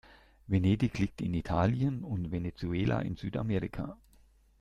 Venedig liegt in Italien und Venezuela in Südamerika.